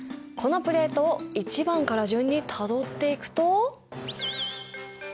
このプレートを１番から順にたどっていくと。